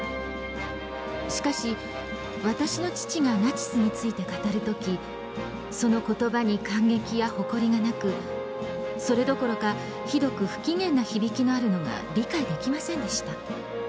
しかし私の父がナチスについて語る時その言葉に感激や誇りがなくそれどころかひどく不機嫌な響きのあるのが理解できませんでした。